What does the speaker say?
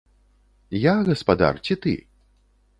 Я гаспадар ці ты?